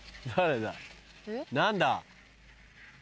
何だ？